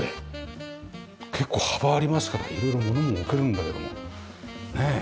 結構幅ありますから色々物も置けるんだけどもねえ